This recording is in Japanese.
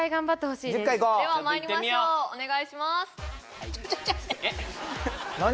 ではまいりましょうお願いします